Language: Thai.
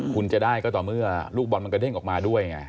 คุณจะได้ก็ต่อเมื่อลูกบอลมันกระเด้งออกมาด้วยไง